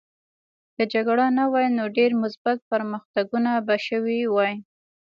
که جګړه نه وای نو ډېر مثبت پرمختګونه به شوي وای